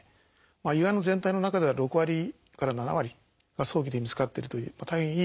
胃がんの全体の中では６割から７割が早期で見つかってるという大変いい状況になってきています。